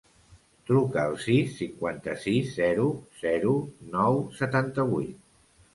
Truca al sis, cinquanta-sis, zero, zero, nou, setanta-vuit.